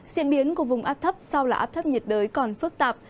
diễn biến của vùng áp thấp sau là áp thấp nhiệt đới còn phức tạp